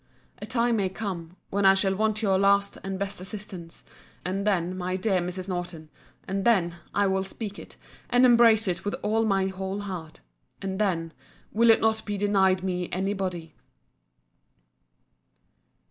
A time may come, when I shall want your last and best assistance: and then, my dear Mrs. Norton—and then, I will speak it, and embrace it with all my whole heart—and then, will it not be denied me by any body.